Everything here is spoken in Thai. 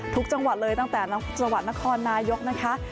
ทุกจังหวัดเลยตั้งแต่จังหวัดนครนายก